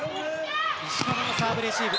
石川のサーブレシーブ